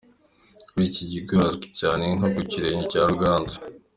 Kuri iki kigo hazwi cyane nko ku kirenge cya Ruganzu.